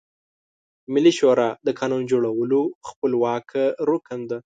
ملي شورا د قانون جوړولو خپلواکه رکن ده.